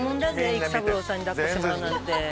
育三郎さんに抱っこしてもらうなんて。